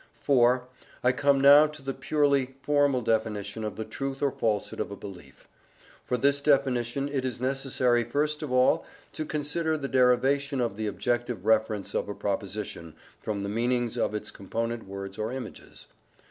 IV. I come now to the purely formal definition of the truth or falsehood of a belief. For this definition it is necessary first of all to consider the derivation of the objective reference of a proposition from the meanings of its component words or images.